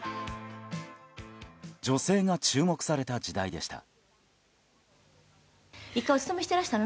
女性が注目された時代でした。